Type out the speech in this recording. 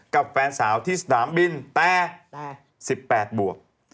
กับแฟนสาวที่สนามบินแต่๑๘บวก